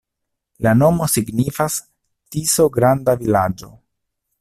La nomo signifas: Tiso-granda-vilaĝo.